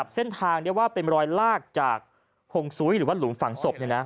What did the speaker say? เส้นทางได้ว่าเป็นรอยลากจากหงซุ้ยหรือว่าหลุมฝังศพ